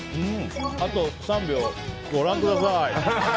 あと３秒ご覧ください。